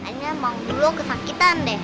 kayaknya bang dulo kesakitan deh